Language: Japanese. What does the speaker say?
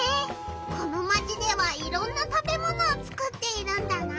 このマチではいろんな食べものをつくっているんだな！